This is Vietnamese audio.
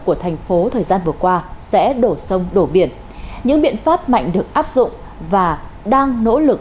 của thành phố thời gian vừa qua sẽ đổ sông đổ biển những biện pháp mạnh được áp dụng và đang nỗ lực